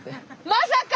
まさか！